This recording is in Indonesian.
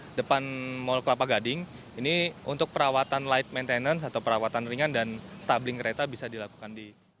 di depan mall kelapa gading ini untuk perawatan light maintenance atau perawatan ringan dan stabling kereta bisa dilakukan di